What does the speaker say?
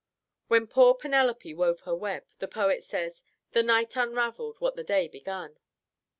When poor Penelope wove her web, the poet says "The night unravelled what the day began."